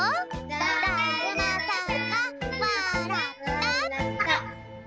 だるまさんがわらった！